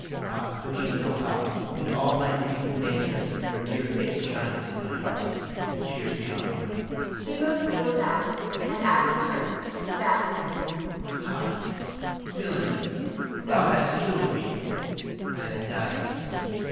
Ah, could she know how, 'mid all my grief and danger, her dear face shines in my heart, and cheers me on. [Hugo steals out, and as he turns, stabs him.] Ha, villain, thou hast killed me! I am dying!